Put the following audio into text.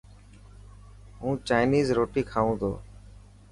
هون چائنيز روٽي کائون تو.